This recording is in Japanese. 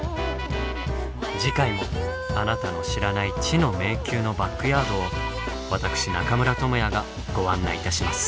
次回もあなたの知らない「知の迷宮」のバックヤードを私中村倫也がご案内いたします。